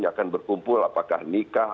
yang akan berkumpul apakah nikah